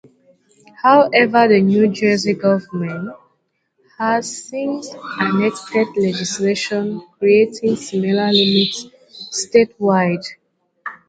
However, the New Jersey government has since enacted legislation creating similar limits statewide.